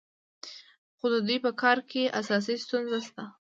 خو د دوی په کار کې اساسي ستونزه شته.